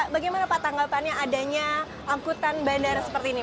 bagaimana pak tanggapannya adanya angkutan bandara seperti ini